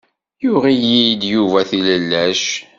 Yuɣ-iyi-d Yuba tilellac.